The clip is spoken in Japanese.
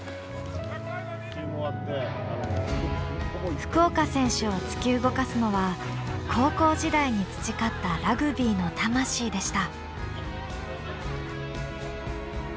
福岡選手を突き動かすのは高校時代に培ったラグビーの魂でした。